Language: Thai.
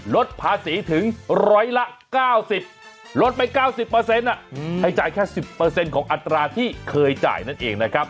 ลดไป๙๐ให้จ่ายแค่๑๐ของอัตราที่เคยจ่ายนั่นเองนะครับ